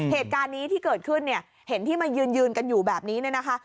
เหตุการณ์นี้ที่เกิดขึ้นเนี่ยเห็นที่มายืนกันอยู่แบบนี้เนี่ยนะคะ